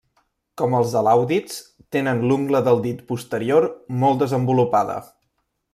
Com els alàudids, tenen l'ungla del dit posterior molt desenvolupada.